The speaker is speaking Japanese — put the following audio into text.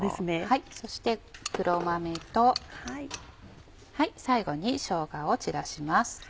そして黒豆と最後にしょうがを散らします。